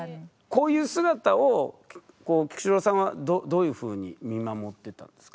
こういう姿を菊紫郎さんはどういうふうに見守ってたんですか？